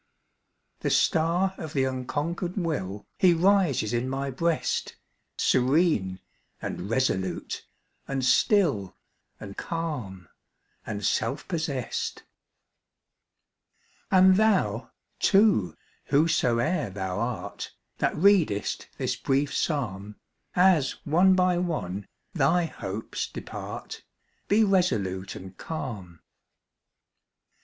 The star of the unconquered will, He rises in my breast, Serene, and resolute, and still, And calm, and self possessed. And thou, too, whosoe'er thou art, That readest this brief psalm, As one by one thy hopes depart, Be resolute and calm.